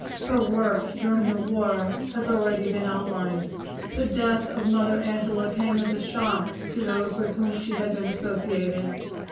Her work during the war has already been outlined. The death of Mother Angela came as a shock to those with whom she had been associated.